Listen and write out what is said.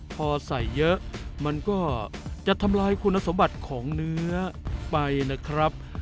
พอใส่เยอะมันก็จะทำลายคุณสมบัติของเนื้อไปนะครับ